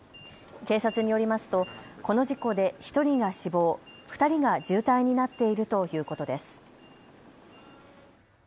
警察によりますと、この事故で１人が死亡、２人が重体になっているということです。